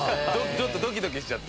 ちょっとドキドキしちゃって？